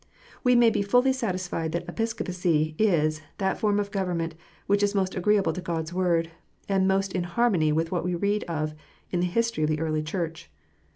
We may be fully satisfied that Episcopacy is that form of govern ment which is most agreeable to God s Word, and most in harmony with what we read of in the history of the early Church.